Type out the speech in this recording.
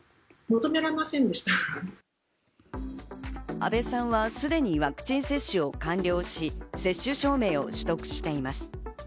安部さんはすでにワクチン接種を完了し、接種証明を取得しています。